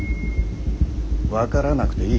分からなくていい。